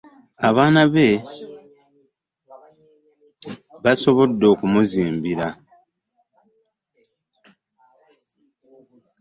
Abaana be bambi basobodde okumuzimbira.